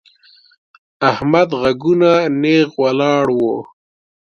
احمد غوږونه نېغ ولاړ وو.